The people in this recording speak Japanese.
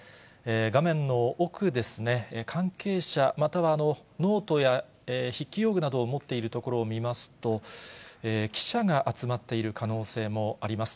画面の奥ですね、関係者、またはノートや筆記用具などを持っているところを見ますと、記者が集まっている可能性もあります。